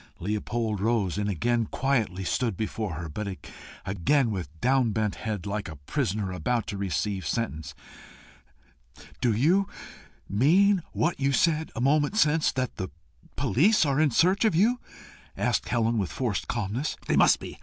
Leopold rose, and again stood quietly before her, but again with downbent head, like a prisoner about to receive sentence. "Do you mean what you said a moment since that the police are in search of you?" asked Helen, with forced calmness. "They must be.